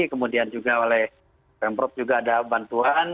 kemudian juga oleh pemprov juga ada bantuan